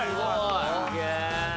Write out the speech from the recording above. すげえ！